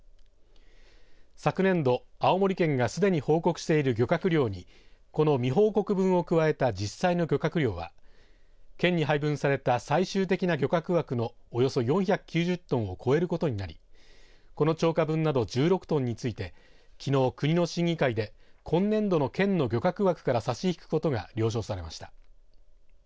昨年度、青森県がすでに報告している漁獲量にこの未報告分を加えた実際の漁獲量は県に配分された最終的な漁獲枠のおよそ４９０トンを超えることになりこの超過分など１６トンについてきのう国の審議会で今年度の県の漁獲枠から差し引くことが了承されました。